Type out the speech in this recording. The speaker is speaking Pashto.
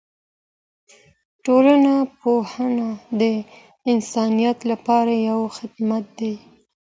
ټولنپوهنه د انسانیت لپاره یو خدمت دی.